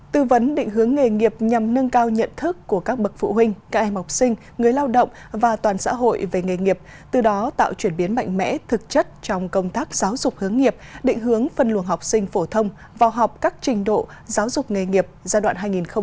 tư vấn định hướng nghề nghiệp nhằm nâng cao nhận thức của các bậc phụ huynh các em học sinh người lao động và toàn xã hội về nghề nghiệp từ đó tạo chuyển biến mạnh mẽ thực chất trong công tác giáo dục hướng nghiệp định hướng phân luồng học sinh phổ thông vào học các trình độ giáo dục nghề nghiệp giai đoạn hai nghìn hai mươi hai nghìn hai mươi năm